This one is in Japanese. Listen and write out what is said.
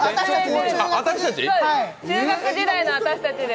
中学時代の私たちです。